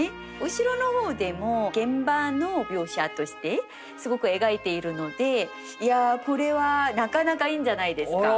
後ろの方でも現場の描写としてすごく描いているのでいやこれはなかなかいいんじゃないですか。